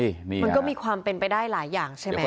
มันก็มีความเป็นไปได้หลายอย่างใช่ไหม